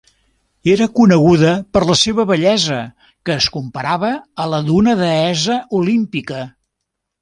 Era coneguda per la seva bellesa que es comparava a la d'una deessa olímpica.